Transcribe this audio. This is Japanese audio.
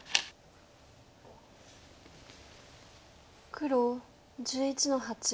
黒１１の八。